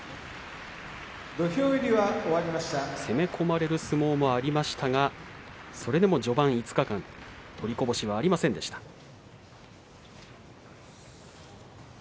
攻め込まれる相撲もありましたがそれでも序盤５日間取りこぼしはありませんでした。